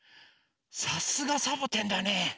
さすがサボテンだね。